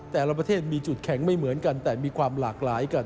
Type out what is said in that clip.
แต่ละประเทศมีจุดแข็งไม่เหมือนกันแต่มีความหลากหลายกัน